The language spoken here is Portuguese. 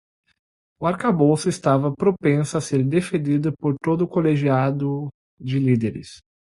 O arcabouço estava propenso a ser deferido por todo o colegiado de líderes